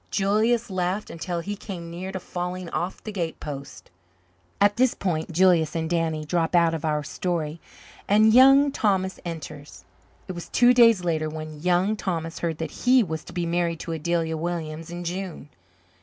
Julius laughed until he came near to falling off the gatepost. At this point Julius and Danny drop out of our story, and Young Thomas enters. It was two days later when Young Thomas heard that he was to be married to Adelia Williams in June.